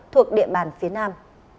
thuộc địa bàn phía nam